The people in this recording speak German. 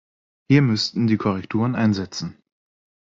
Hier müssten die Korrekturen einsetzen.